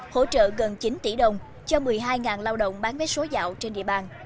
hỗ trợ gần chín tỷ đồng cho một mươi hai lao động bán vé số dạo trên địa bàn